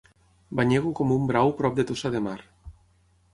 Banyego com un brau prop de Tossa de Mar.